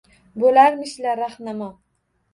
Bo’larmishlar rahnamo.